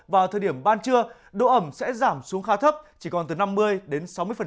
vào thời điểm ban trưa độ ẩm sẽ giảm xuống khá thấp chỉ còn từ năm mươi đến sáu mươi